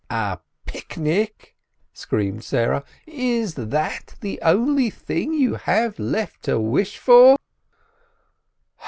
"A picnic!" screamed Sarah. "Is that the only thing you have left to wish for